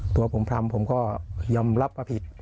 ตัวผมทำผมก็ยอมรับว่าผิด